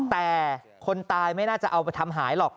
แต่คนตายไม่น่าจะเอาไปทำหายหรอก